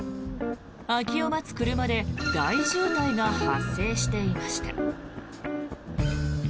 空きを待つ車で大渋滞が発生していました。